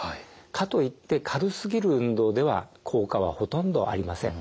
かといって軽すぎる運動では効果はほとんどありません。